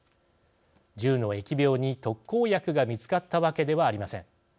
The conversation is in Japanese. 銃の疫病に特効薬が見つかったわけではありません。